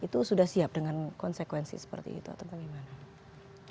itu sudah siap dengan konsekuensi seperti itu atau bagaimana